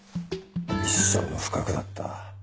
一生の不覚だった。